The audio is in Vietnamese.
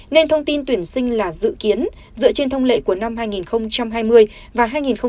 nên thông tin tuyển sinh là dự kiến dựa trên thông lệ của năm hai nghìn hai mươi và hai nghìn hai mươi một